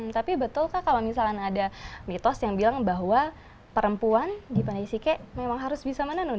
tapi betul kak kalau misalnya ada mitos yang bilang bahwa perempuan di panai sike memang harus bisa menenun